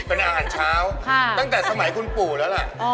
เป็นอาหารเช้าตั้งแต่สมัยคุณปู่แล้วล่ะ